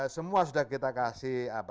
semua sudah kita kasih